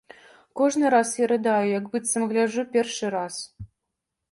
Кожны раз я рыдаю, як быццам гляджу першы раз.